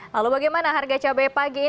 lalu bagaimana harga cabai pagi ini